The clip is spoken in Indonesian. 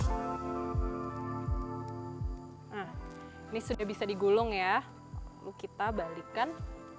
nah ini sudah bisa digulung ya lalu kita balikkan